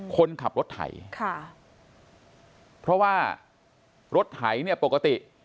คนขับรถไถค่ะเพราะว่ารถไถเนี่ยปกติ